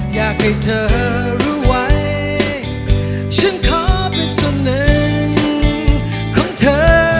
อยากให้เธอรู้ไว้ฉันขอเป็นส่วนหนึ่งของเธอ